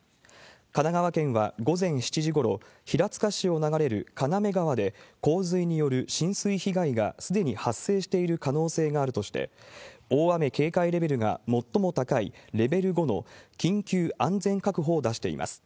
神奈川県は午前７時ごろ、平塚市を流れる金目川で、洪水による浸水被害がすでに発生している可能性があるとして、大雨警戒レベルが最も高いレベル５の緊急安全確保を出しています。